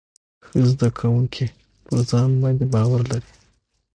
ښه زده کوونکي پر ځان باندې باور لري.